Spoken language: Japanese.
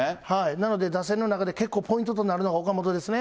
なので、打線の中で結構ポイントとなるのが岡本ですね。